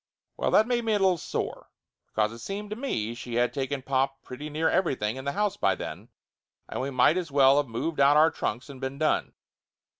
Well, that made me a little sore, because it seemed to me she had taken pop pretty near everything in the house by then, and we might as well of moved out our trunks and been done.